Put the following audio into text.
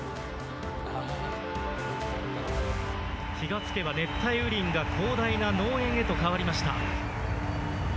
気が付けば熱帯雨林が広大な農園へと変わりました。